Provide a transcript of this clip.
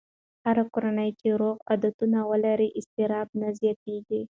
هره کورنۍ چې روغ عادتونه ولري، اضطراب نه زیاتېږي.